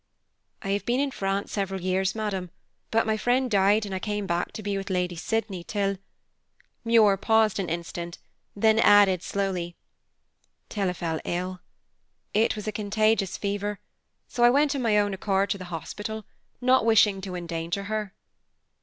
"I have been in France several years, madam, but my friend died and I came back to be with Lady Sydney, till " Muir paused an instant, then added, slowly, "till I fell ill. It was a contagious fever, so I went of my own accord to the hospital, not wishing to endanger her."